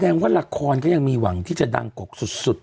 ว่าละครก็ยังมีหวังที่จะดังกกสุด